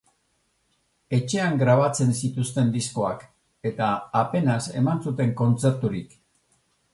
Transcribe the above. Etxean grabatzen zituzten diskoak eta apenas eman zuten kontzerturik.